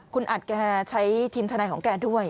คุณอัดแกใช้ทีมทนายของแกด้วย